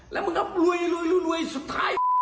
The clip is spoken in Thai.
แล้วมึงก็รวยสุดท้าย